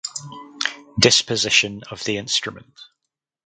Disposition of the instrument